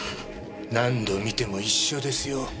何度見ても一緒ですよ。